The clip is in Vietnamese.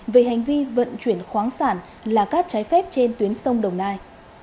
về hành vi vận chuyển khoáng sản là cát trái phép trên tuyến sông đồng nai